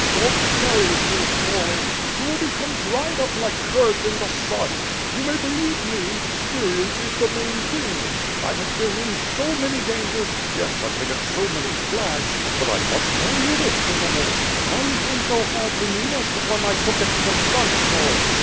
Your bellies will fall in; you will become dried up like curds in the sun. You may believe me, experience is thj main thing, I have been in so many dangers, yes — ^have taken so many flags, but I must tell you this, gentlemen — none came so hard to me as the one 1 took at Konstantinov.